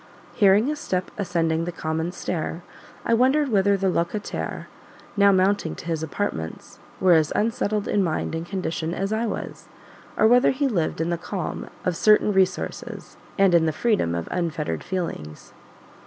Hearing a step ascending the common stair, I wondered whether the "locataire," now mounting to his apartments, were as unsettled in mind and condition as I was, or whether he lived in the calm of certain resources, and in the freedom of unfettered feelings.